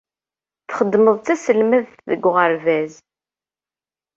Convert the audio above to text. Txeddmeḍ d taselmadt deg uɣerbaz.